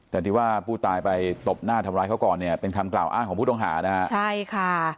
แต่ที่ว่าผู้ตายไปตบหน้าทำร้ายเขาก่อนเนี่ยเป็นคำกล่าวอ้างของผู้ต้องหานะฮะใช่ค่ะ